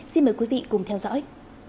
xin mời quý vị cùng theo dõi